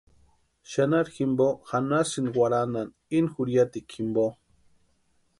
Xanharhu jimpo janhasïnti warhanhani ini juriatikwa jimpo.